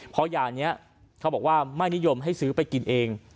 เพราะยานี้เขาบอกว่าไม่นิยมให้ซื้อไปกินเอง